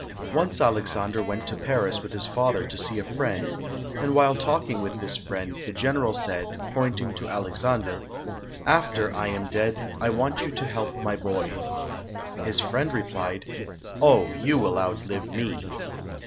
Once Alexandre went to Paris with his father to see a friend, and while talking with this friend, the general said, pointing to Alexandre, "After I am dead, I want you to help my boy". His friend replied, "Oh, you will outlive me".